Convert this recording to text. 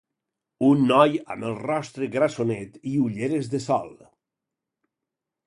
Un noi amb el rostre grassonet i ulleres de sol.